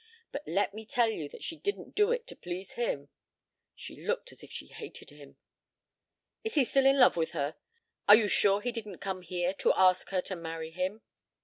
But let me tell you that she didn't do it to please him. She looked as if she hated him." "Is he still in love with her? Are you sure he didn't come here to ask her to marry him?"